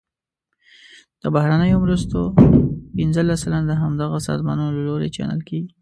د بهرنیو مرستو پنځلس سلنه د همدغه سازمانونو له لوري چینل کیږي.